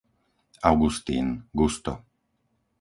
Augustín, Gusto